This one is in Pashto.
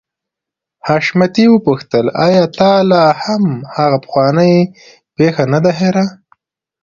حشمتي وپوښتل آيا تا لا هم هغه پخوانۍ پيښه نه ده هېره.